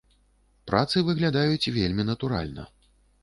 Працы выглядаюць вельмі натуральна.